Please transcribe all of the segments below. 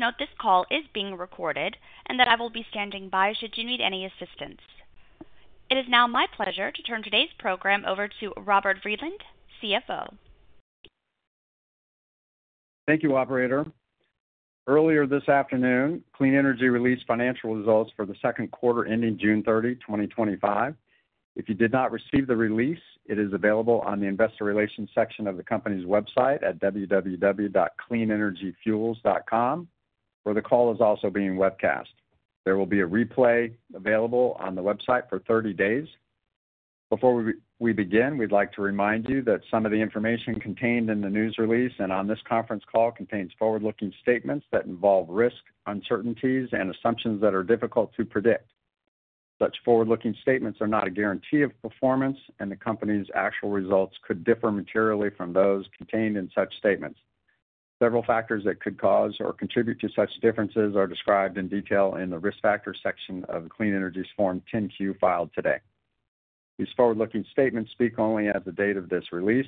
Please note this call is being recorded and that I will be standing by should you need any assistance. It is now my pleasure to turn today's program over to Robert Vreeland, CFO. Thank you, operator. Earlier this afternoon, Clean Energy released financial results for the second quarter ending June 30th, 2025. If you did not receive the release, it is available on the Investor Relations section of the company's website at www.cleanenergyfuels.com, where the call is also being webcast. There will be a replay available on the website for 30 days. Before we begin, we'd like to remind you that some of the information contained in the news release and on this conference call contains forward-looking statements that involve risk, uncertainties, and assumptions that are difficult to predict. Such forward-looking statements are not a guarantee of performance, and the company's actual results could differ materially from those contained in such statements. Several factors that could cause or contribute to such differences are described in detail in the Risk Factors section of the Clean Energy Form 10-Q filed today. These forward-looking statements speak only as of the date of this release.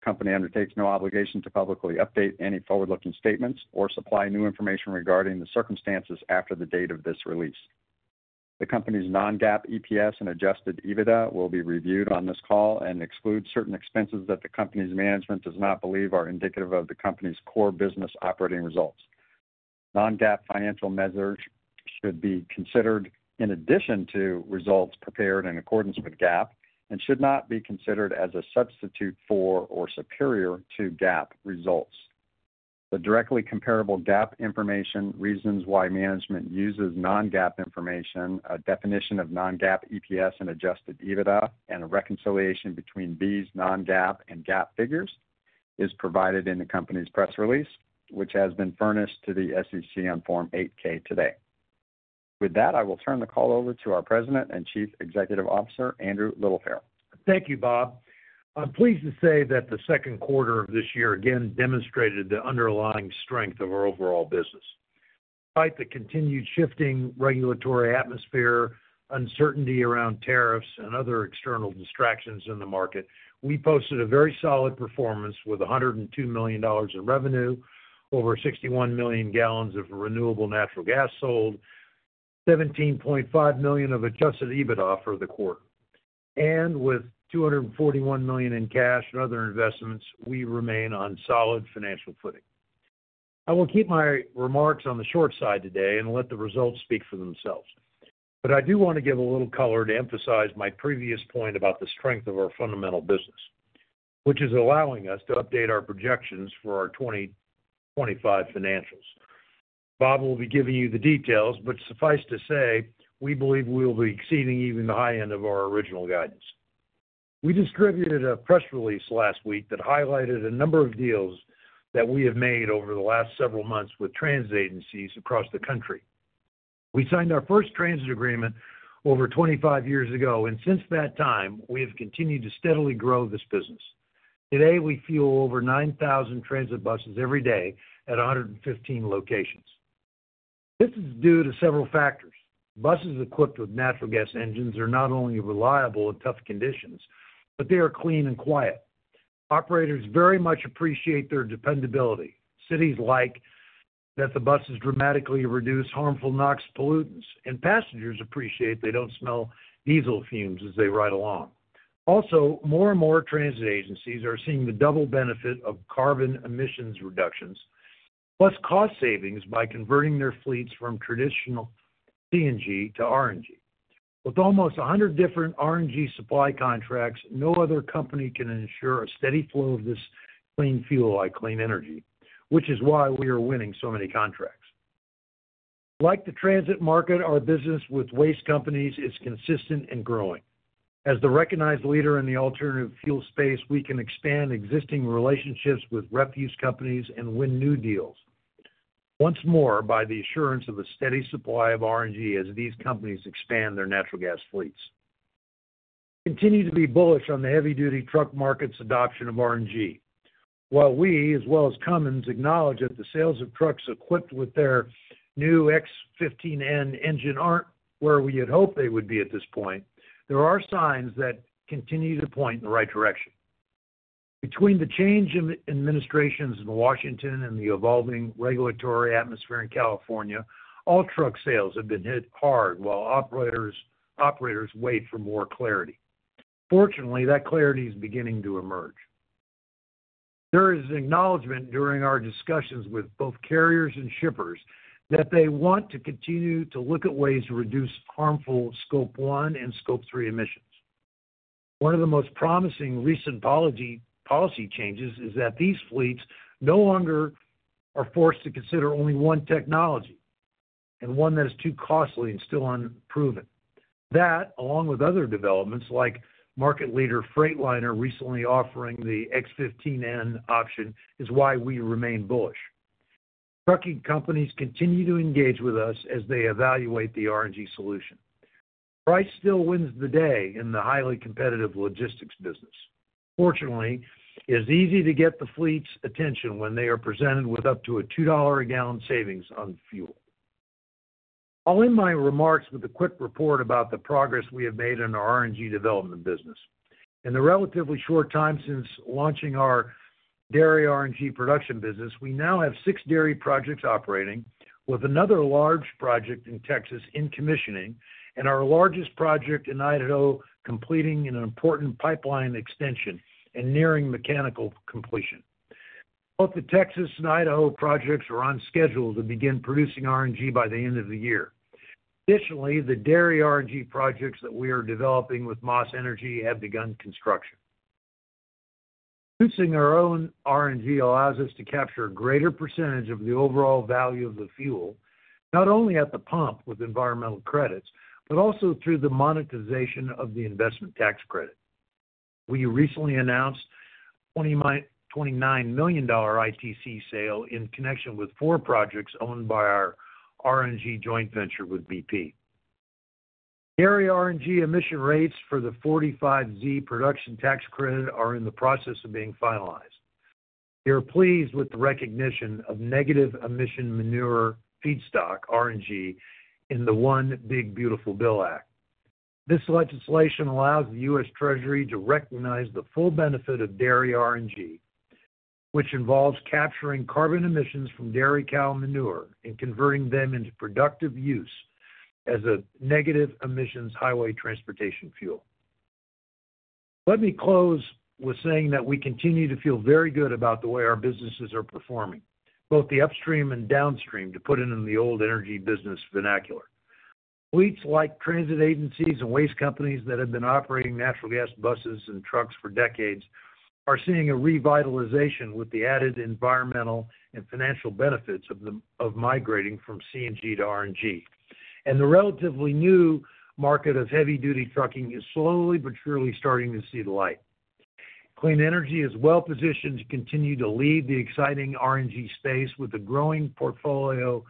The company undertakes no obligation to publicly update any forward-looking statements or supply new information regarding the circumstances after the date of this release. The company's non-GAAP EPS and adjusted EBITDA will be reviewed on this call and exclude certain expenses that the company's management does not believe are indicative of the company's core business operating results. Non-GAAP financial measures should be considered in addition to results prepared in accordance with GAAP and should not be considered as a substitute for or superior to GAAP results. The directly comparable GAAP information, reasons why management uses non-GAAP information, a definition of non-GAAP EPS and adjusted EBITDA, and a reconciliation between these non-GAAP and GAAP figures is provided in the company's press release, which has been furnished to the SEC on Form 8-K today. With that, I will turn the call over to our President and Chief Executive Officer, Andrew Littlefair. Thank you, Bob. I'm pleased to say that the second quarter of this year again demonstrated the underlying strength of our overall business. Despite the continued shifting regulatory atmosphere, uncertainty around tariffs, and other external distractions in the market, we posted a very solid performance with $102 million in revenue, over 61 million gallons of renewable natural gas sold, $17.5 million of adjusted EBITDA for the quarter, and with $241 million in cash and other investments, we remain on solid financial footing. I will keep my remarks on the short side today and let the results speak for themselves. I do want to give a little color to emphasize my previous point about the strength of our fundamental business, which is allowing us to update our projections for our 2025 finances. Bob will be giving you the details. Suffice to say, we believe we will be exceeding even the high end of our original guidance. We distributed a press release last week that highlighted a number of deals that we have made over the last several months with transit agencies across the country. We signed our first transit agreement over 25 years ago, and since that time, we have continued to steadily grow this business. Today, we fuel over 9,000 transit buses every day at 115 locations. This is due to several factors. Buses equipped with natural gas engines are not only reliable in tough conditions, but they are clean and quiet. Operators very much appreciate their dependability. Cities like that the buses dramatically reduce harmful NOx pollutants, and passengers appreciate they don't smell diesel fumes as they ride along. Also, more and more transit agencies are seeing the double benefit of carbon emissions reductions, plus cost savings by converting their fleets from traditional CNG to RNG. With almost 100 different RNG supply contracts, no other company can ensure a steady flow of this clean fuel like Clean Energy, which is why we are winning so many contracts. Like the transit market, our business with waste companies is consistent and growing. As the recognized leader in the alternative fuel space, we can expand existing relationships with refuse companies and win new deals, once more by the assurance of a steady supply of RNG as these companies expand their natural gas fleets. We continue to be bullish on the heavy-duty truck market's adoption of RNG. While we, as well as Cummins, acknowledge that the sales of trucks equipped with their new X15N engine aren't where we had hoped they would be at this point, there are signs that continue to point in the right direction. Between the change in administrations in Washington and the evolving regulatory atmosphere in California, all truck sales have been hit hard while operators wait for more clarity. Fortunately, that clarity is beginning to emerge. There is an acknowledgment during our discussions with both carriers and shippers that they want to continue to look at ways to reduce harmful Scope 1 and Scope 3 emissions. One of the most promising recent policy changes is that these fleets no longer are forced to consider only one technology and one that is too costly and still unproven. That, along with other developments like market leader Freightliner recently offering the X15N option, is why we remain bullish. Trucking companies continue to engage with us as they evaluate the RNG solution. Price still wins the day in the highly competitive logistics business. Fortunately, it is easy to get the fleet's attention when they are presented with up to a $2-a-gallon savings on fuel. I'll end my remarks with a quick report about the progress we have made in our RNG development business. In the relatively short time since launching our dairy RNG production business, we now have six dairy projects operating, with another large project in Texas in commissioning and our largest project in Idaho completing an important pipeline extension and nearing mechanical completion. Both the Texas and Idaho projects are on schedule to begin producing RNG by the end of the year. Additionally, the dairy RNG projects that we are developing with Moss Energy have begun construction. Producing our own RNG allows us to capture a greater percentage of the overall value of the fuel, not only at the pump with environmental credits, but also through the monetization of the investment tax credit. We recently announced a $29 million ITC sale in connection with four projects owned by our RNG joint venture with BP. Dairy RNG emission rates for the 45Z production tax credit are in the process of being finalized. We are pleased with the recognition of negative emission manure feedstock RNG in the One Big Beautiful Bill Act. This legislation allows the U.S. Treasury to recognize the full benefit of dairy RNG, which involves capturing carbon emissions from dairy cow manure and converting them into productive use as a negative emissions highway transportation fuel. Let me close with saying that we continue to feel very good about the way our businesses are performing, both the upstream and downstream, to put it in the old energy business vernacular. Fleets like transit agencies and waste companies that have been operating natural gas buses and trucks for decades are seeing a revitalization with the added environmental and financial benefits of migrating from CNG to RNG. The relatively new market of heavy-duty trucking is slowly but surely starting to see the light. Clean Energy is well-positioned to continue to lead the exciting RNG space with a growing portfolio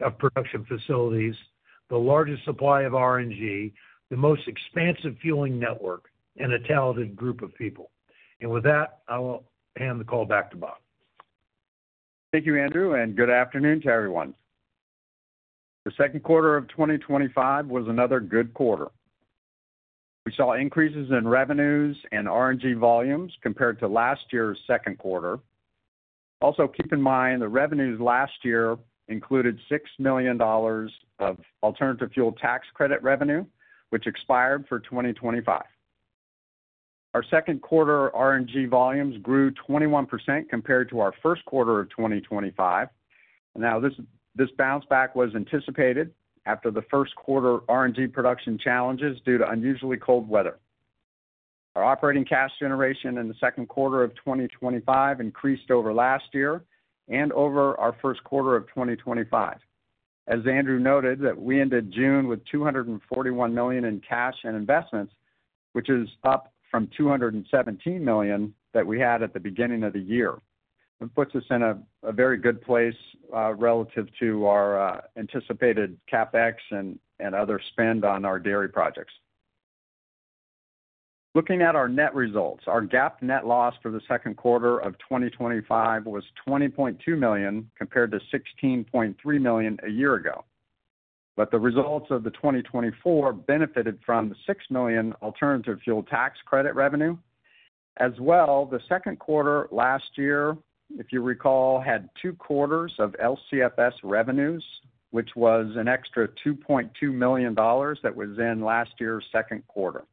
of production facilities, the largest supply of RNG, the most expansive fueling network, and a talented group of people. With that, I will hand the call back to Bob. Thank you, Andrew, and good afternoon to everyone. The second quarter of 2025 was another good quarter. We saw increases in revenues and RNG volumes compared to last year's second quarter. Also, keep in mind the revenues last year included $6 million of alternative fuel tax credit revenue, which expired for 2025. Our second quarter RNG volumes grew 21% compared to our first quarter of 2025. This bounce back was anticipated after the first quarter RNG production challenges due to unusually cold weather. Our operating cash generation in the second quarter of 2025 increased over last year and over our first quarter of 2025. As Andrew noted, we ended June with $241 million in cash and investments, which is up from $217 million that we had at the beginning of the year. That puts us in a very good place relative to our anticipated CapEx and other spend on our dairy projects. Looking at our net results, our GAAP net loss for the second quarter of 2025 was $20.2 million compared to $16.3 million a year ago. The results of 2024 benefited from the $6 million alternative fuel tax credit revenue. The second quarter last year, if you recall, had two quarters of LCFS revenues, which was an extra $2.2 million that was in last year's second quarter.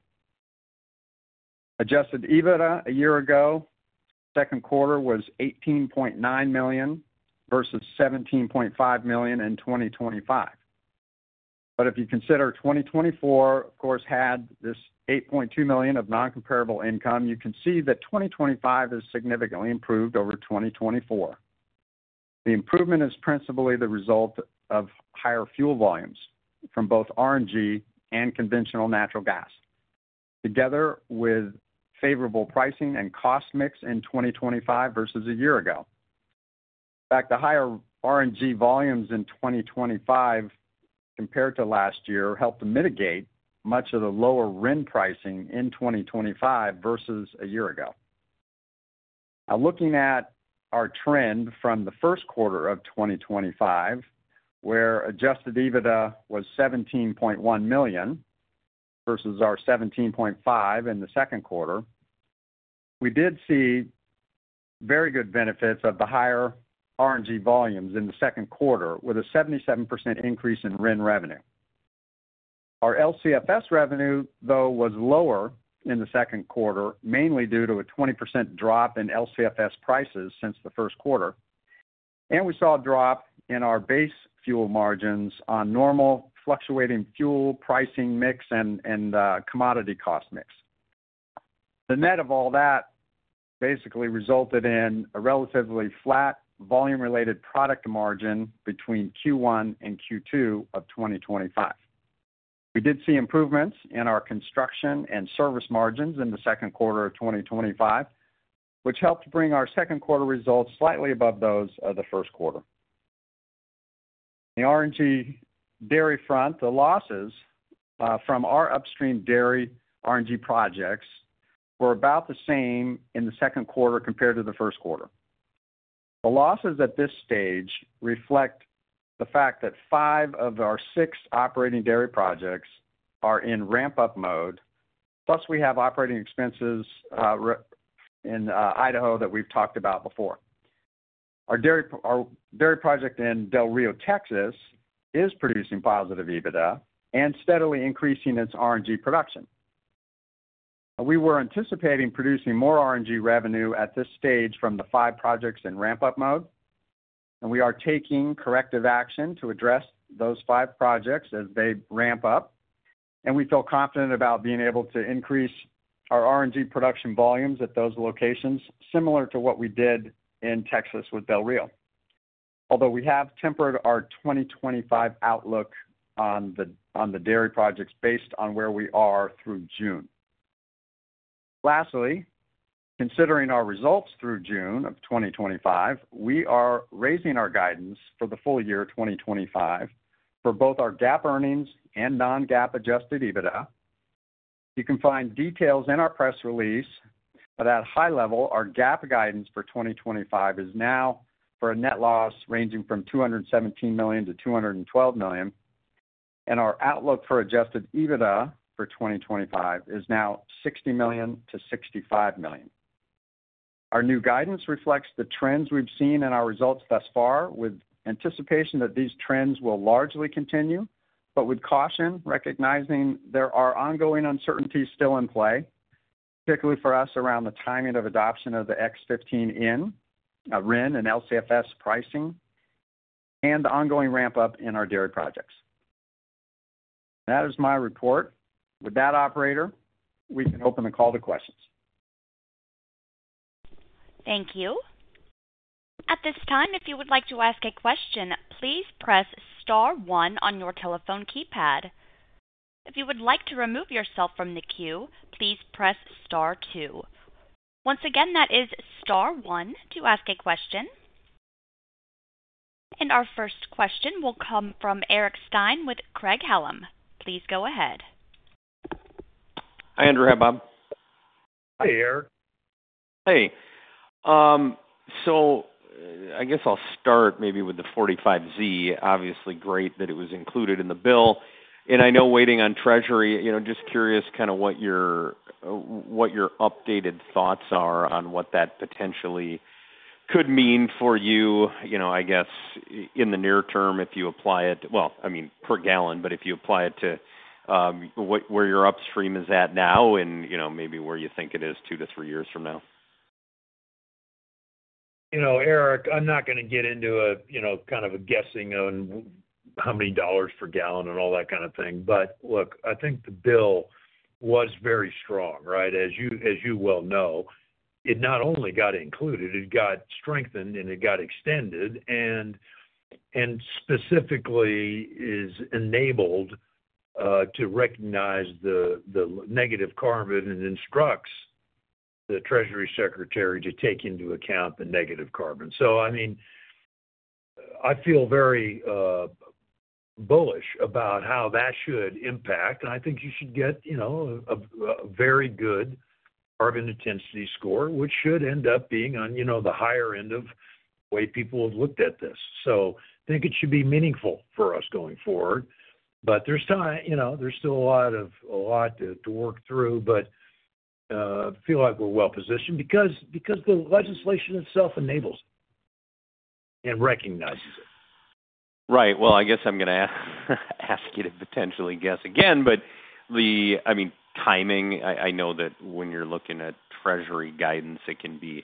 Adjusted EBITDA a year ago, the second quarter was $18.9 million versus $17.5 million in 2025. If you consider 2024, of course, had this $8.2 million of non-comparable income, you can see that 2025 has significantly improved over 2024. The improvement is principally the result of higher fuel volumes from both RNG and conventional natural gas, together with favorable pricing and cost mix in 2025 versus a year ago. In fact, the higher RNG volumes in 2025 compared to last year helped to mitigate much of the lower REN pricing in 2025 versus a year ago. Now, looking at our trend from the first quarter of 2025, where adjusted EBITDA was $17.1 million versus our $17.5 million in the second quarter, we did see very good benefits of the higher RNG volumes in the second quarter with a 77% increase in REN revenue. Our LCFS revenue, though, was lower in the second quarter, mainly due to a 20% drop in LCFS prices since the first quarter. We saw a drop in our base fuel margins on normal fluctuating fuel pricing mix and commodity cost mix. The net of all that basically resulted in a relatively flat volume-related product margin between Q1 and Q2 of 2025. We did see improvements in our construction and service margins in the second quarter of 2025, which helped bring our second quarter results slightly above those of the first quarter. In the RNG dairy front, the losses from our upstream dairy RNG projects were about the same in the second quarter compared to the first quarter. The losses at this stage reflect the fact that five of our six operating dairy projects are in ramp-up mode, plus we have operating expenses in Idaho that we've talked about before. Our dairy project in Del Rio, Texas, is producing positive EBITDA and steadily increasing its RNG production. We were anticipating producing more RNG revenue at this stage from the five projects in ramp-up mode. We are taking corrective action to address those five projects as they ramp up. We feel confident about being able to increase our RNG production volumes at those locations, similar to what we did in Texas with Del Rio. Although we have tempered our 2025 outlook on the dairy projects based on where we are through June. Lastly, considering our results through June of 2025, we are raising our guidance for the full year 2025 for both our GAAP earnings and non-GAAP adjusted EBITDA. You can find details in our press release, but at a high level, our GAAP guidance for 2025 is now for a net loss ranging from $217 million to $212 million, and our outlook for adjusted EBITDA for 2025 is now $60 million-$65 million. Our new guidance reflects the trends we've seen in our results thus far, with anticipation that these trends will largely continue, but with caution, recognizing there are ongoing uncertainties still in play, particularly for us around the timing of adoption of the X15N, REN, and LCFS pricing, and the ongoing ramp-up in our dairy projects. That is my report. With that, operator, we can open the call to questions. Thank you. At this time, if you would like to ask a question, please press star one on your telephone keypad. If you would like to remove yourself from the queue, please press star two. Once again, that is star one to ask a question. Our first question will come from Eric Stine with Craig-Hallum. Please go ahead. Hi, Andrew. Hi, Bob. Hi, Eric. Hey, I guess I'll start maybe with the 45Z. Obviously, great that it was included in the bill. I know waiting on Treasury, just curious kind of what your updated thoughts are on what that potentially could mean for you, I guess, in the near term if you apply it, I mean, per gallon, but if you apply it to where your upstream is at now and maybe where you think it is two to three years from now. Eric, I'm not going to get into, you know, kind of a guessing on how many dollars per gallon and all that kind of thing. I think the bill was very strong, right? As you well know, it not only got included, it got strengthened and it got extended and specifically enabled to recognize the negative carbon and instructs the Treasury Secretary to take into account the negative carbon. I feel very bullish about how that should impact. I think you should get, you know, a very good carbon intensity score, which should end up being on the higher end of the way people have looked at this. I think it should be meaningful for us going forward. There's time, you know, there's still a lot to work through. I feel like we're well-positioned because the legislation itself enables it and recognizes it. Right. I guess I'm going to ask you to potentially guess again. The timing, I know that when you're looking at Treasury guidance, it can be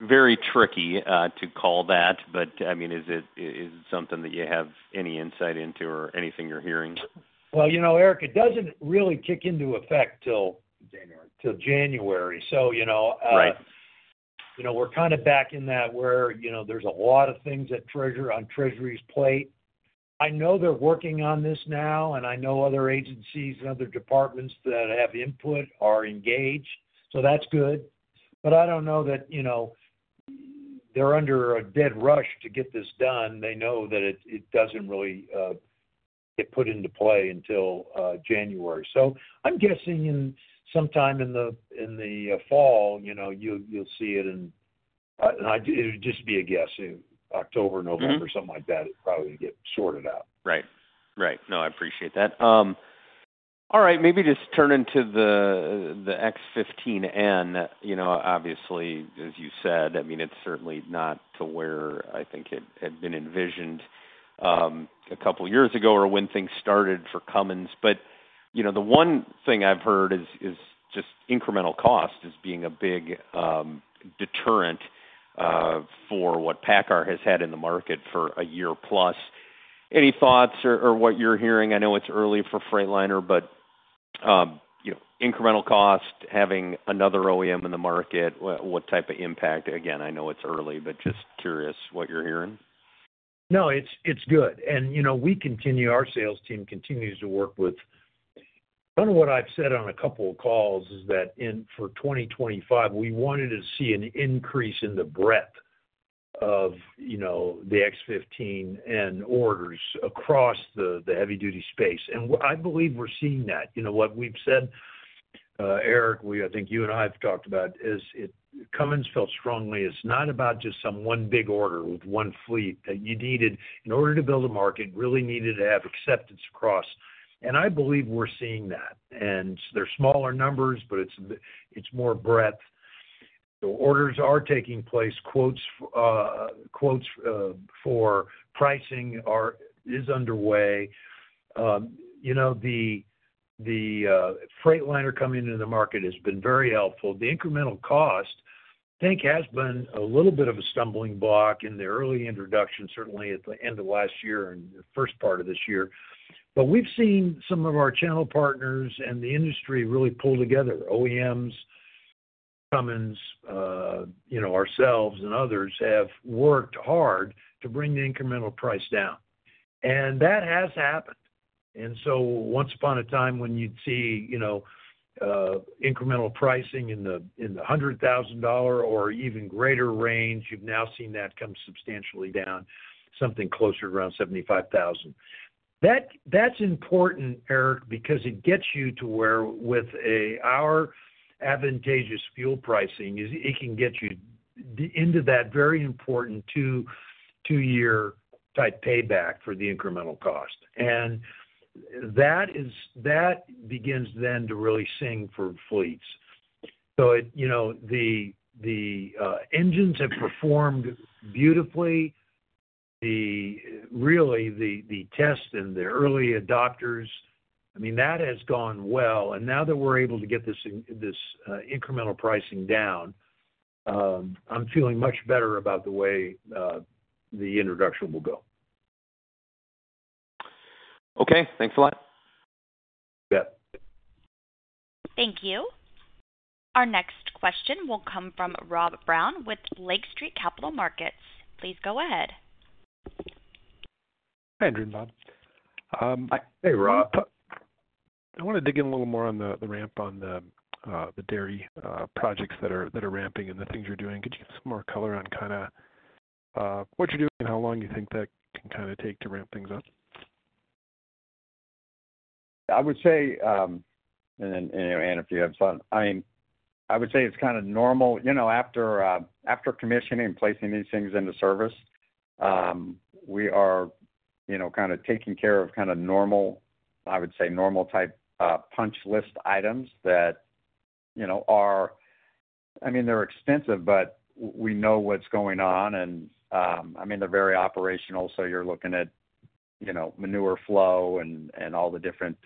very tricky to call that. I mean, is it something that you have any insight into or anything you're hearing? You know, Eric, it doesn't really kick into effect until January. We're kind of back in that where there's a lot of things on Treasury's plate. I know they're working on this now, and I know other agencies and other departments that have input are engaged. That's good. I don't know that they're under a dead rush to get this done. They know that it doesn't really get put into play until January. I'm guessing sometime in the fall you'll see it, and it would just be a guess. October, November, something like that, it probably would get sorted out. Right. Right. No, I appreciate that. All right. Maybe just turn into the X15N. You know, obviously, as you said, I mean, it's certainly not to where I think it had been envisioned a couple of years ago or when things started for Cummins. You know, the one thing I've heard is just incremental cost is being a big deterrent for what PACCAR has had in the market for a year plus. Any thoughts or what you're hearing? I know it's early for Freightliner, but you know, incremental cost, having another OEM in the market, what type of impact? Again, I know it's early, but just curious what you're hearing. No, it's good. We continue, our sales team continues to work with kind of what I've said on a couple of calls is that for 2025, we wanted to see an increase in the breadth of, you know, the X15N orders across the heavy-duty space. I believe we're seeing that. What we've said, Eric, I think you and I have talked about is Cummins felt strongly it's not about just some one big order with one fleet that you needed in order to build a market, really needed to have acceptance across. I believe we're seeing that. They're smaller numbers, but it's more breadth. The orders are taking place. Quotes for pricing are underway. The Freightliner coming into the market has been very helpful. The incremental cost, I think, has been a little bit of a stumbling block in the early introduction, certainly at the end of last year and the first part of this year. We've seen some of our channel partners and the industry really pull together. OEMs, Cummins, ourselves, and others have worked hard to bring the incremental price down. That has happened. Once upon a time when you'd see incremental pricing in the $100,000 or even greater range, you've now seen that come substantially down, something closer to around $75,000. That's important, Eric, because it gets you to where with our advantageous fuel pricing, it can get you into that very important two-year type payback for the incremental cost. That begins then to really sing for fleets. The engines have performed beautifully. The test and the early adopters, I mean, that has gone well. Now that we're able to get this incremental pricing down, I'm feeling much better about the way the introduction will go. Okay, thanks a lot. Yeah. Thank you. Our next question will come from Rob Brown with Lake Street Capital Markets. Please go ahead. Hi, Andrew. Bob. Hey, Rob. I want to dig in a little more on the ramp on the dairy projects that are ramping and the things you're doing. Could you give some more color on kind of what you're doing and how long you think that can kind of take to ramp things up? I would say, and Andrew, if you have some, I would say it's kind of normal. After commissioning and placing these things into service, we are taking care of normal type punch list items that are, I mean, they're expensive, but we know what's going on. They're very operational. You're looking at manure flow and all the different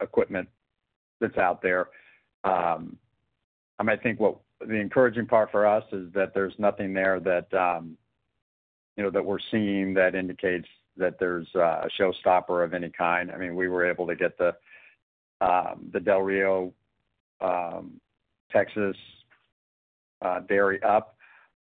equipment that's out there. I think what the encouraging part for us is that there's nothing there that we're seeing that indicates that there's a showstopper of any kind. We were able to get the Del Rio, Texas dairy up,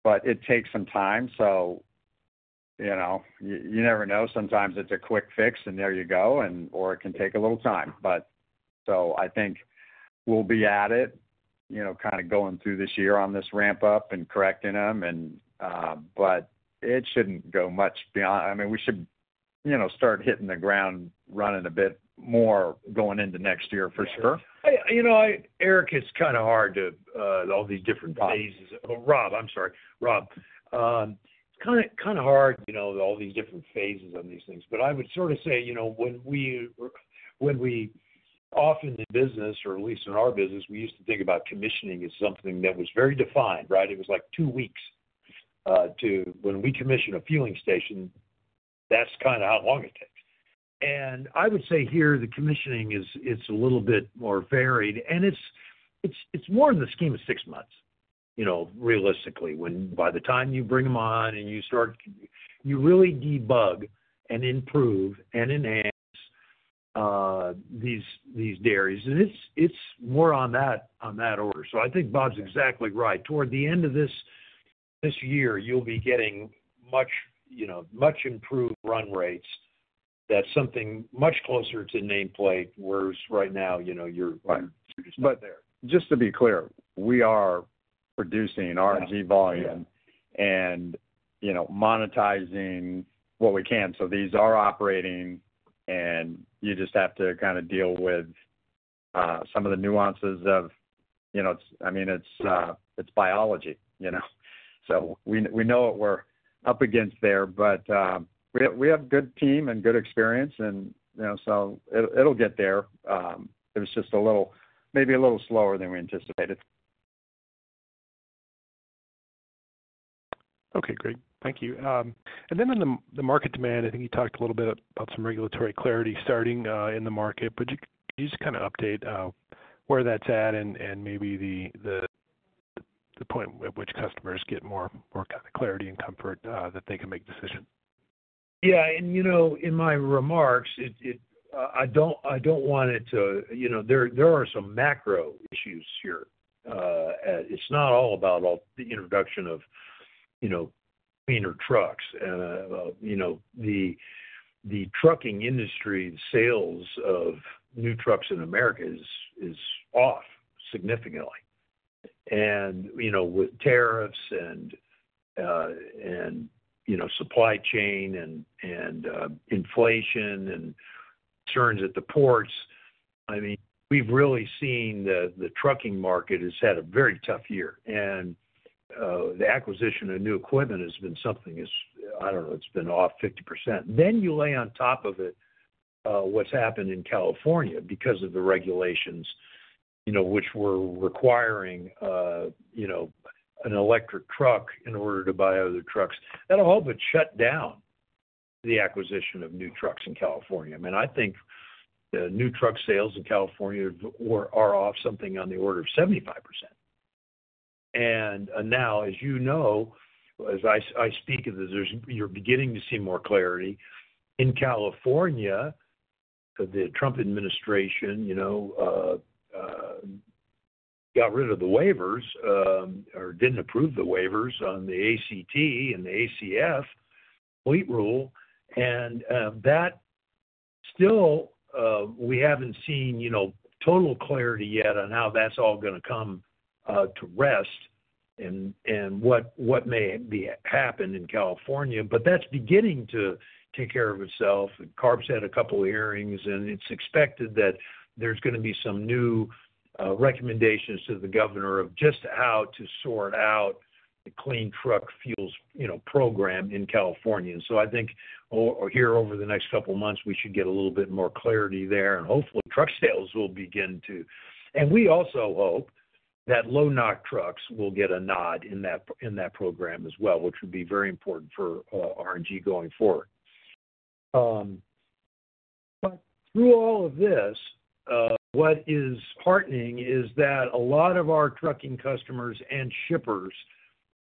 but it takes some time. You never know. Sometimes it's a quick fix, and there you go, or it can take a little time. I think we'll be at it, going through this year on this ramp-up and correcting them. It shouldn't go much beyond. We should start hitting the ground running a bit more going into next year, for sure. You know, Rob, it's kind of hard, you know, all these different phases on these things. I would sort of say, you know, when we often did business, or at least in our business, we used to think about commissioning as something that was very defined, right? It was like two weeks, to when we commission a fueling station, that's kind of how long it takes. I would say here the commissioning is a little bit more varied. It's more in the scheme of six months, you know, realistically, when by the time you bring them on and you start, you really debug and improve and enhance these dairies. It's more on that order. I think Bob's exactly right. Toward the end of this year, you'll be getting much, you know, much improved run rates. That's something much closer to nameplate whereas right now, you know, you're right. To be clear, we are producing RNG volume and monetizing what we can. These are operating, and you just have to deal with some of the nuances of, you know, it's biology. We know what we're up against there, but we have a good team and good experience, so it'll get there. It was just maybe a little slower than we anticipated. Okay. Great. Thank you. On the market demand, I think you talked a little bit about some regulatory clarity starting in the market. Could you just kind of update where that's at and maybe the point at which customers get more clarity and comfort that they can make a decision? Yeah. In my remarks, I don't want it to, you know, there are some macro issues here. It's not all about the introduction of, you know, cleaner trucks. The trucking industry, the sales of new trucks in America is off significantly. With tariffs and, you know, supply chain and inflation and turns at the ports, we've really seen the trucking market has had a very tough year. The acquisition of new equipment has been something that's, I don't know, it's been off 50%. Then you lay on top of it what's happened in California because of the regulations, you know, which were requiring an electric truck in order to buy other trucks. That all but shut down the acquisition of new trucks in California. I think the new truck sales in California are off something on the order of 75%. Now, as I speak of this, you're beginning to see more clarity. In California, the Trump administration got rid of the waivers or didn't approve the waivers on the ACT and the ACF fleet rule. We haven't seen total clarity yet on how that's all going to come to rest and what may happen in California. That's beginning to take care of itself. CARB's had a couple of hearings, and it's expected that there's going to be some new recommendations to the governor of just how to sort out the clean truck fuels program in California. I think here over the next couple of months, we should get a little bit more clarity there. Hopefully, truck sales will begin to. We also hope that low NOx trucks will get a nod in that program as well, which would be very important for RNG going forward. Through all of this, what is heartening is that a lot of our trucking customers and shippers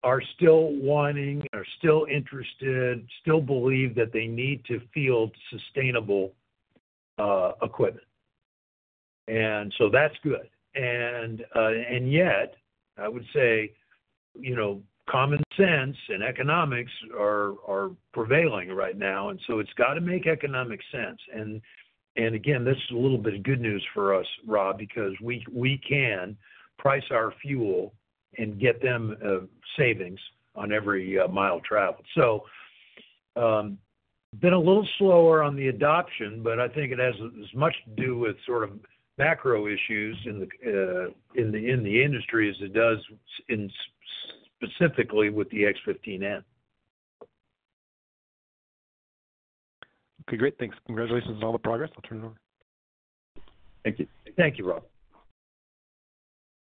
are still wanting, are still interested, still believe that they need to field sustainable equipment. That's good. I would say, you know, common sense and economics are prevailing right now. It's got to make economic sense. Again, that's a little bit of good news for us, Rob, because we can price our fuel and get them savings on every mile traveled. It's been a little slower on the adoption, but I think it has as much to do with sort of macro issues in the industry as it does specifically with the X15N. Okay. Great. Thanks. Congratulations on all the progress. I'll turn it over. Thank you. Thank you, Rob.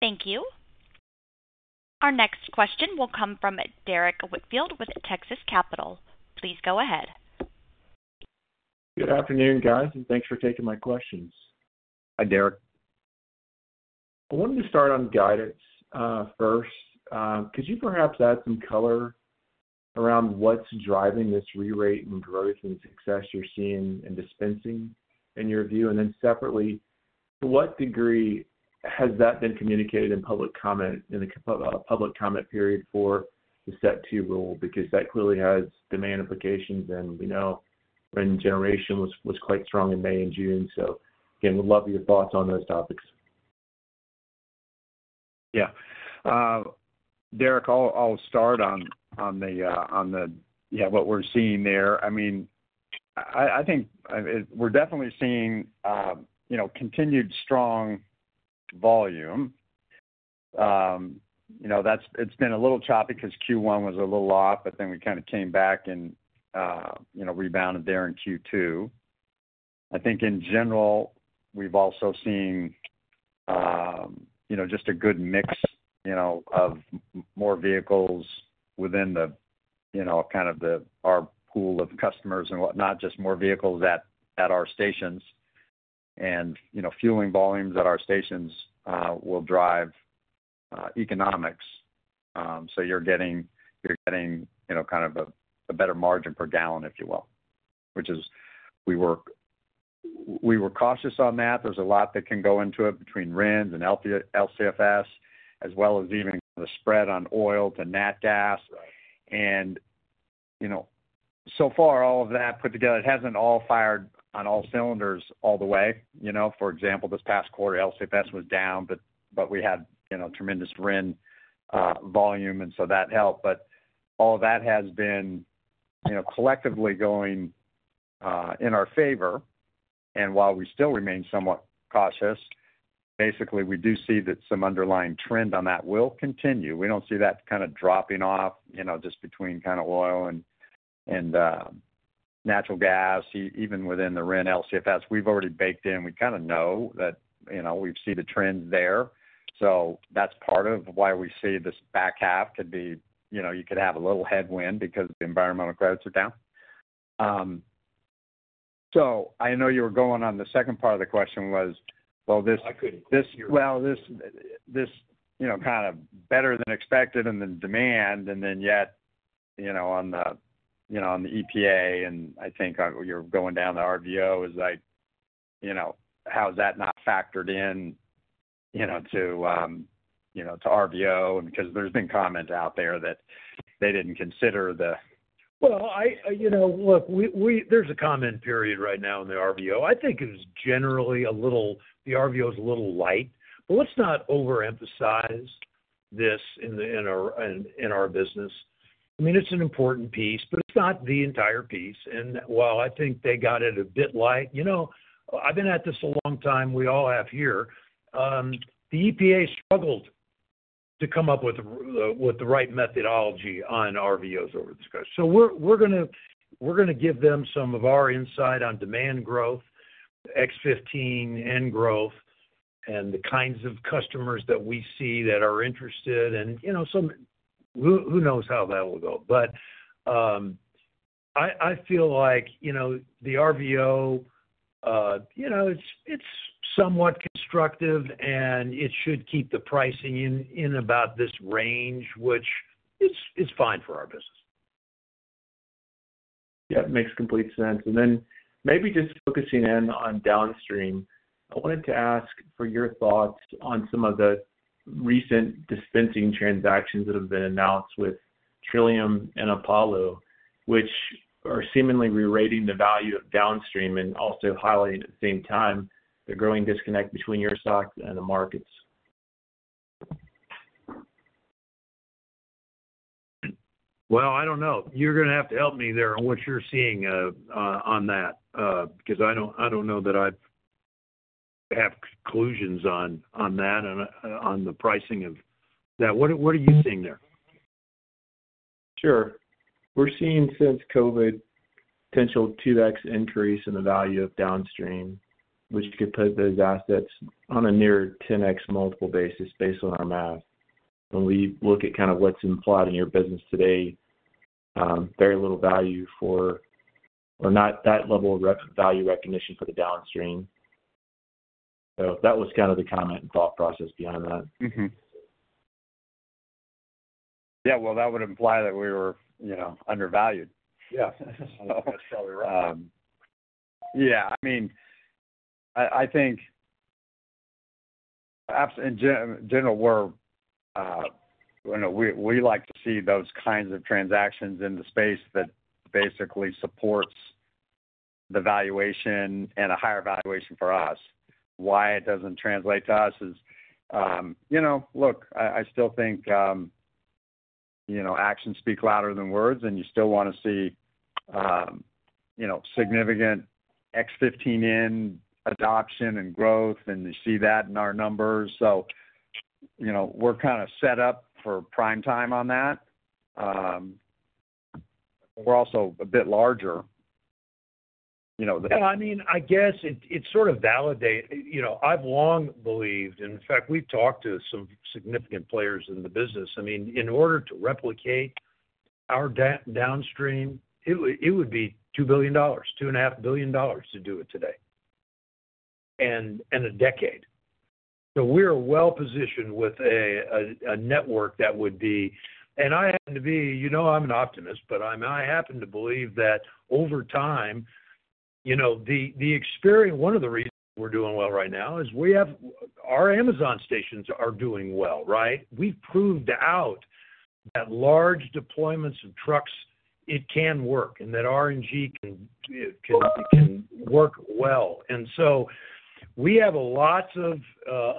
Thank you. Our next question will come from Derrick Whitfield with Texas Capital. Please go ahead. Good afternoon, guys, and thanks for taking my questions. Hi, Derek. I wanted to start on guidance first. Could you perhaps add some color around what's driving this re-rate and growth and success you're seeing in dispensing in your view? Then separately, to what degree has that been communicated in public comment in the public comment period for the set two rule? That clearly has demand implications. We know when generation was quite strong in May and June. We'd love your thoughts on those topics. Yeah. Derek, I'll start on the, yeah, what we're seeing there. I think we're definitely seeing continued strong volume. It's been a little choppy because Q1 was a little off, but then we kind of came back and rebounded there in Q2. I think in general, we've also seen just a good mix of more vehicles within our pool of customers and whatnot, just more vehicles at our stations. Fueling volumes at our stations will drive economics, so you're getting kind of a better margin per gallon, if you will, which is something we were cautious on. There's a lot that can go into it between REN pricing and LCFS pricing, as well as even the spread on oil to natural gas. Right. So far, all of that put together, it hasn't all fired on all cylinders all the way. For example, this past quarter, LCFS pricing was down, but we had tremendous REN volume, and that helped. All of that has been collectively going in our favor. While we still remain somewhat cautious, basically, we do see that some underlying trend on that will continue. We don't see that kind of dropping off, just between oil and natural gas, even within the REN and LCFS pricing. We've already baked in. We kind of know that we see the trend there. That's part of why we see this back half could be, you could have a little headwind because the environmental credits are down. I know you were going on the second part of the question was, well, this. I couldn't. This year, this is kind of better than expected in the demand. Yet, on the EPA, I think you're going down the RVO, like, how's that not factored in to RVO? Because there's been comment out there that they didn't consider the. You know, look, there's a comment period right now in the RVO. I think it was generally a little, the RVO is a little light. Let's not overemphasize this in our business. I mean, it's an important piece, but it's not the entire piece. While I think they got it a bit light, you know, I've been at this a long time, we all have here. The EPA struggled to come up with the right methodology on RVOs over this question. We're going to give them some of our insight on demand growth, the X15N growth, and the kinds of customers that we see that are interested. You know, who knows how that will go. I feel like the RVO, you know, it's somewhat constructive, and it should keep the pricing in about this range, which is fine for our business. Yeah, it makes complete sense. Maybe just focusing in on downstream, I wanted to ask for your thoughts on some of the recent dispensing transactions that have been announced with Trillium and Apollo, which are seemingly re-rating the value of downstream and also highlighting at the same time the growing disconnect between your stock and the markets. I don't know. You're going to have to help me there on what you're seeing on that, because I don't know that I have conclusions on that and on the pricing of that. What are you seeing there? Sure. We're seeing since COVID, potential 2x increase in the value of downstream, which could put those assets on a near 10x multiple basis based on our math. When we look at kind of what's implied in your business today, very little value for or not that level of value recognition for the downstream. That was kind of the comment and thought process behind that. Yeah, that would imply that we were, you know, undervalued. Yeah. I mean, I think in general, we like to see those kinds of transactions in the space that basically support the valuation and a higher valuation for us. Why it doesn't translate to us is, you know, I still think actions speak louder than words, and you still want to see significant X15N adoption and growth, and you see that in our numbers. We're kind of set up for prime time on that. We're also a bit larger. I mean, I guess it's sort of validated. I've long believed, and in fact, we've talked to some significant players in the business. In order to replicate our downstream, it would be $2 billion, $2.5 billion to do it today and in a decade. We are well-positioned with a network that would be, and I happen to be, you know, I'm an optimist, but I happen to believe that over time, the experience, one of the reasons we're doing well right now is we have our Amazon stations are doing well, right? We've proved out that large deployments of trucks, it can work and that RNG can work well. We have lots of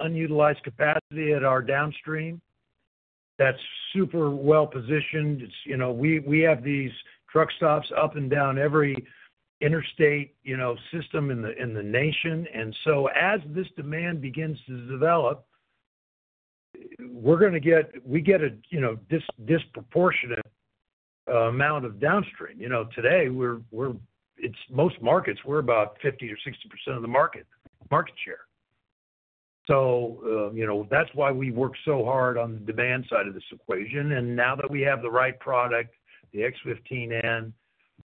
unutilized capacity at our downstream that's super well-positioned. We have these truck stops up and down every interstate system in the nation. As this demand begins to develop, we're going to get a disproportionate amount of downstream. Today, in most markets, we're about 50% or 60% of the market share. That's why we work so hard on the demand side of this equation. Now that we have the right product, the X15N,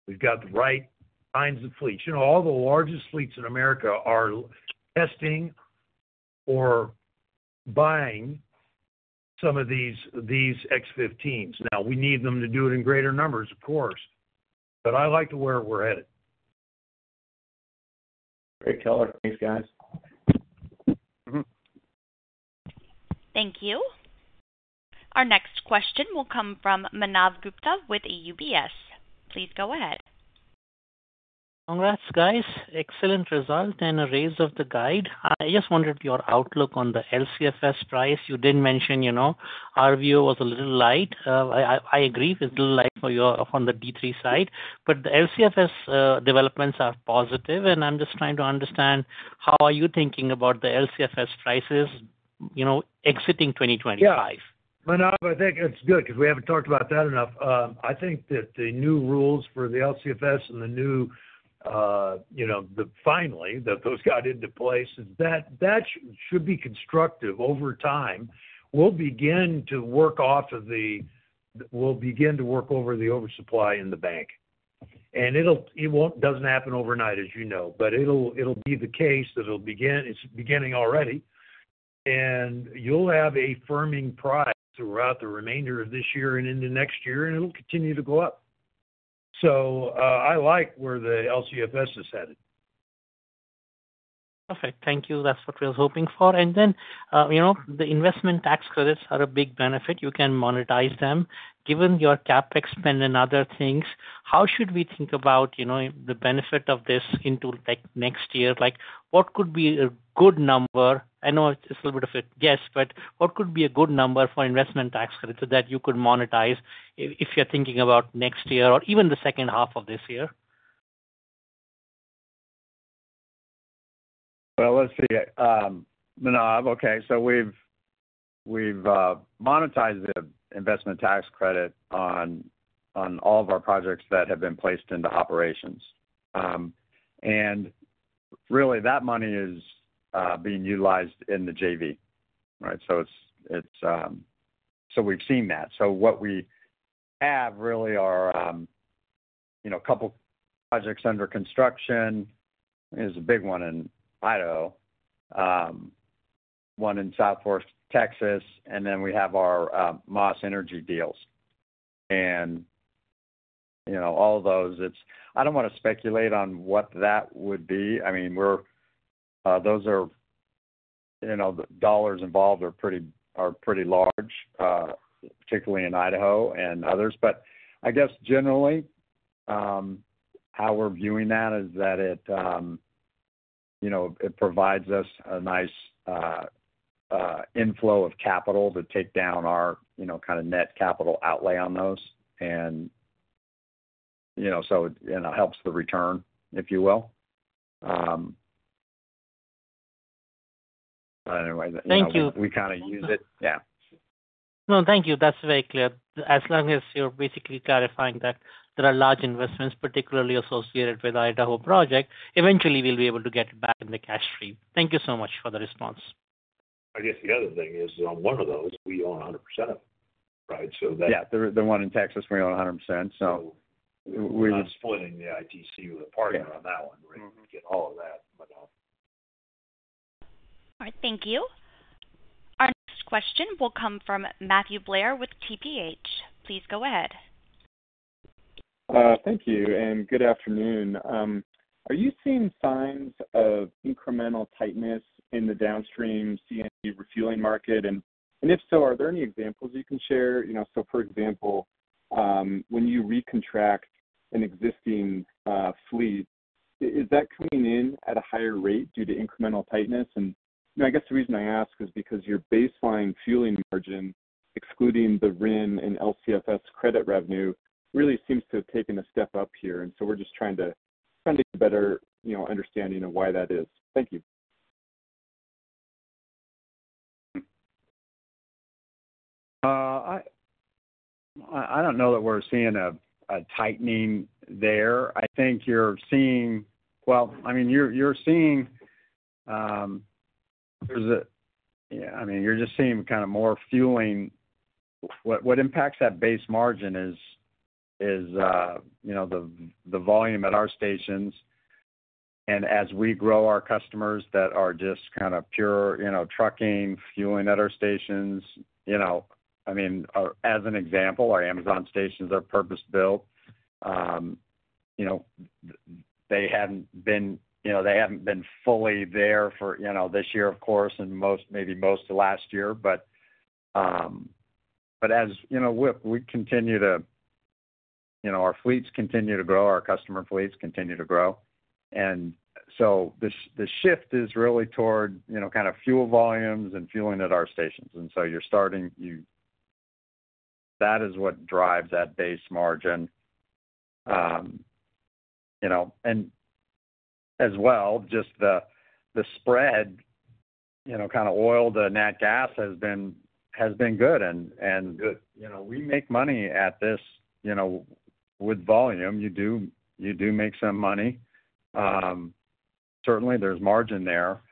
we've got the right kinds of fleets. All the largest fleets in America are testing or buying some of these X15s. We need them to do it in greater numbers, of course. I like where we're headed. Great color. Thanks, guys. Thank you. Our next question will come from Manav Gupta with UBS. Please go ahead. Congrats, guys. Excellent result and a raise of the guide. I just wondered your outlook on the LCFS price. You did mention, you know, RVO was a little light. I agree with a little light for you on the D3 side. The LCFS developments are positive. I'm just trying to understand how are you thinking about the LCFS prices, you know, exiting 2025? Yeah. Manav, I think it's good because we haven't talked about that enough. I think that the new rules for the LCFS and the new, you know, finally that those got into place, that that should be constructive over time. We'll begin to work off of the, we'll begin to work over the oversupply in the bank. It doesn't happen overnight, as you know, but it'll be the case that it'll begin. It's beginning already. You'll have a firming price throughout the remainder of this year and into next year, and it'll continue to go up. I like where the LCFS is headed. Perfect. Thank you. That's what we were hoping for. The investment tax credits are a big benefit. You can monetize them. Given your CapEx spend and other things, how should we think about the benefit of this into next year? What could be a good number? I know it's a little bit of a guess, but what could be a good number for investment tax credits that you could monetize if you're thinking about next year or even the second half of this year? Let's see. Manav, okay. We've monetized the investment tax credit on all of our projects that have been placed into operations. That money is being utilized in the JV, right? We've seen that. What we have really are a couple of projects under construction. There's a big one in Idaho, one in South Forest, Texas, and then we have our Moss Energy deals. All of those, I don't want to speculate on what that would be. Those are, the dollars involved are pretty large, particularly in Idaho and others. Generally, how we're viewing that is that it provides us a nice inflow of capital to take down our net capital outlay on those. It helps the return, if you will. Thank you. We kind of use it, yeah. No, thank you. That's very clear. As long as you're basically clarifying that there are large investments, particularly associated with the Idaho project, eventually we'll be able to get it back in the cash stream. Thank you so much for the response. I guess the other thing is on one of those, we own 100% of it, right? So that. Yeah. They're one in Texas where you own 100%. We're not splitting the ITC with a partner on that one. We get all of that. All right. Thank you. Our next question will come from Matthew Blair with TPH. Please go ahead. Thank you. Good afternoon. Are you seeing signs of incremental tightness in the downstream CNG refueling market? If so, are there any examples you can share? For example, when you recontract an existing fleet, is that coming in at a higher rate due to incremental tightness? The reason I ask is because your baseline fueling margin, excluding the REN and LCFS credit revenue, really seems to have taken a step up here. We are just trying to get a better understanding of why that is. Thank you. I don't know that we're seeing a tightening there. I think you're seeing, I mean, you're just seeing kind of more fueling. What impacts that base margin is the volume at our stations. As we grow our customers that are just kind of pure trucking, fueling at our stations, as an example, our Amazon stations are purpose-built. They haven't been fully there for this year, of course, and maybe most of last year. As we continue to, our fleets continue to grow, our customer fleets continue to grow. The shift is really toward kind of fuel volumes and fueling at our stations. That is what drives that base margin. As well, just the spread, kind of oil to nat gas, has been good. Good, we make money at this with volume. You do make some money. Certainly, there's margin there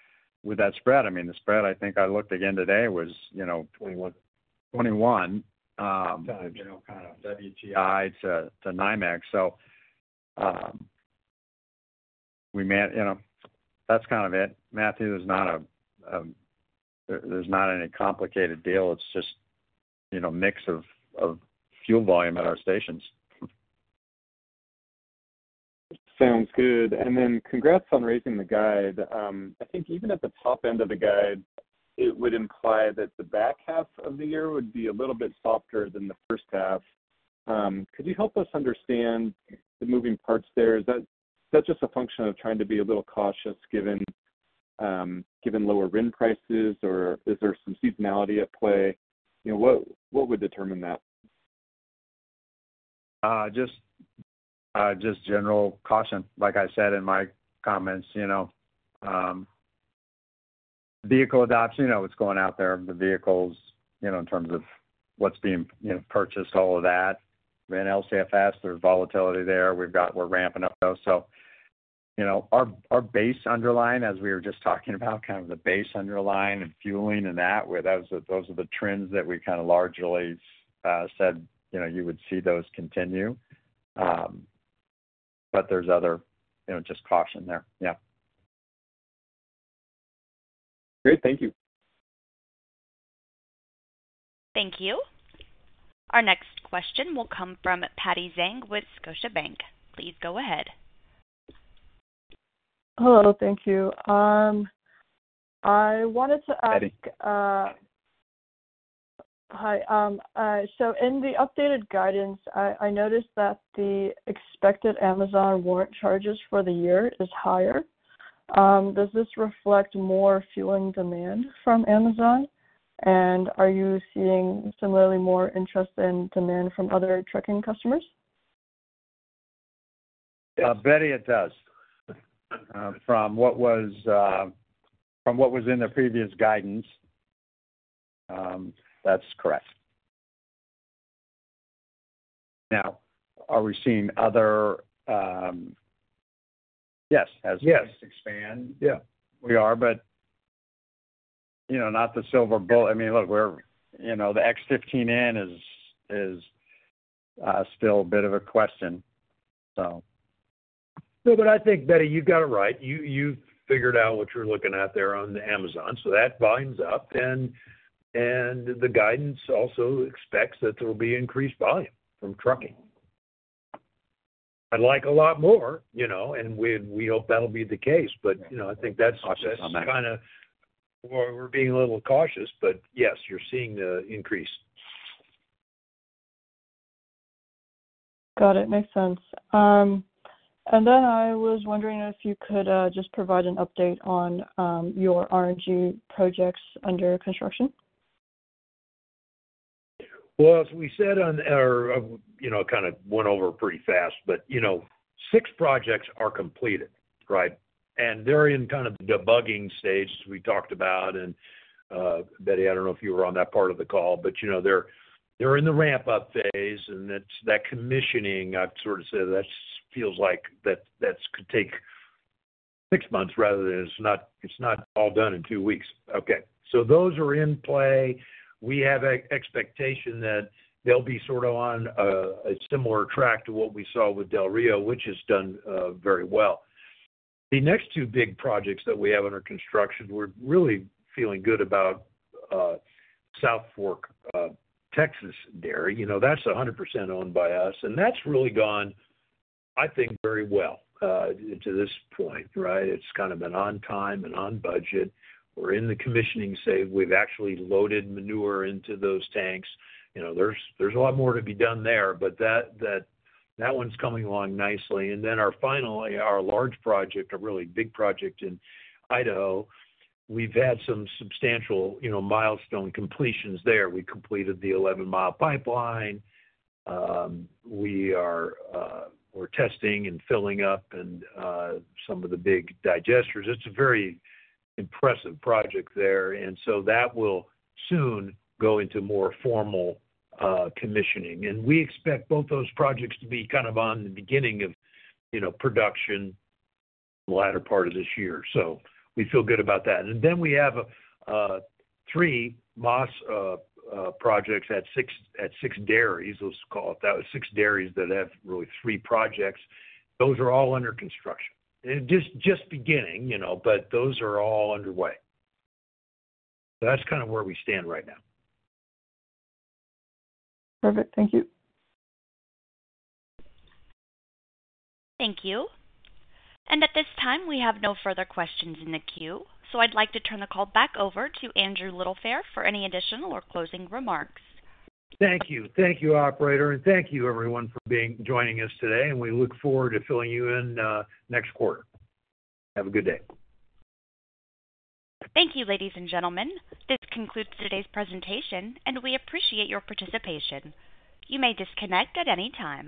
with that spread. The spread, I think I looked again today, was 21. 21. Kind of WTI to NIMEC. We may, you know, that's kind of it. Matthew, there's not a, there's not any complicated deal. It's just, you know, a mix of fuel volume at our stations. Sounds good. Congrats on raising the guide. I think even at the top end of the guide, it would imply that the back half of the year would be a little bit softer than the first half. Could you help us understand the moving parts there? Is that just a function of trying to be a little cautious given lower REN prices, or is there some seasonality at play? What would determine that? Just general caution. Like I said in my comments, you know, vehicle adoption, you know, what's going out there, the vehicles, you know, in terms of what's being, you know, purchased, all of that. REN, LCFS, there's volatility there. We're ramping up those. Our base underlying, as we were just talking about, kind of the base underlying and fueling and that, where those are the trends that we kind of largely said, you know, you would see those continue. There's other, you know, just caution there. Yeah. Great. Thank you. Thank you. Our next question will come from Betty Zhang with Scotiabank. Please go ahead. Hello, thank you. I wanted to ask. Betty. In the updated guidance, I noticed that the expected Amazon warrant charges for the year is higher. Does this reflect more fueling demand from Amazon? Are you seeing similarly more interest in demand from other trucking customers? I bet it does. From what was in the previous guidance. That's correct. Now, are we seeing other, yes. As we expand? Yes. Yeah, we are, but not the silver bullet. I mean, look, the X15N is still a bit of a question. No, but I think, Betty, you've got it right. You've figured out what you're looking at there on the Amazon. That binds up, and the guidance also expects that there will be increased volume from trucking. I'd like a lot more, you know, and we hope that'll be the case. You know, I think that's just kind of where we're being a little cautious. Yes, you're seeing the increase. Got it. Makes sense. I was wondering if you could just provide an update on your RNG projects under construction. As we said on our, you know, I kind of went over pretty fast, but six projects are completed, right? They're in kind of the debugging stage we talked about. Betty, I don't know if you were on that part of the call, but they're in the ramp-up phase. That's that commissioning. I've sort of said that feels like that could take six months rather than it's not all done in two weeks. Those are in play. We have an expectation that they'll be sort of on a similar track to what we saw with Del Rio, which has done very well. The next two big projects that we have under construction, we're really feeling good about South Fork, Texas dairy. That's 100% owned by us, and that's really gone, I think, very well to this point. It's kind of been on time and on budget. We're in the commissioning stage. We've actually loaded manure into those tanks. There's a lot more to be done there, but that one's coming along nicely. Our final, our large project, a really big project in Idaho, we've had some substantial milestone completions there. We completed the 11-mile pipeline. We are testing and filling up some of the big digesters. It's a very impressive project there, and that will soon go into more formal commissioning. We expect both those projects to be kind of on the beginning of production in the latter part of this year. We feel good about that. We have three Moss projects at six dairies. Let's call it that. Six dairies that have really three projects. Those are all under construction and just beginning, but those are all underway. That's kind of where we stand right now. Perfect. Thank you. Thank you. At this time, we have no further questions in the queue. I'd like to turn the call back over to Andrew Littlefair for any additional or closing remarks. Thank you. Thank you, operator. Thank you, everyone, for joining us today. We look forward to filling you in next quarter. Have a good day. Thank you, ladies and gentlemen. This concludes today's presentation, and we appreciate your participation. You may disconnect at any time.